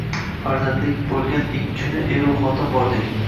Farzandlik boʻlgan kuni eru-xotin bordik.